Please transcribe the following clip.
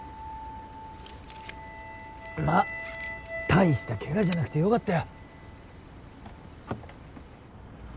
まったいした怪我じゃなくてよかったよ。